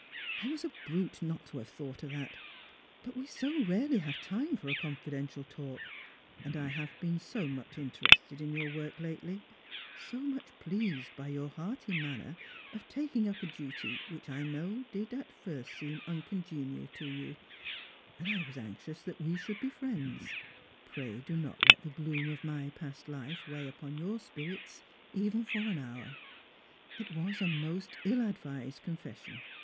I was a brute not to have thought of that ; but we so rarely have time for a confidential talk, and I have been so much interested in your work lately, so much pleased by your hearty manner of taking up a duty which I know did at first seem uncongenial to you, and I was anxious that we should be friends. Pray do not let the gloom of my past life weigh upon your spirits even for an hour. It was a most ill advised confession.